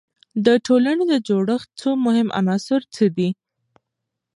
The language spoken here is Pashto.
د ټولنې د جوړښت څو مهم عناصر څه دي؟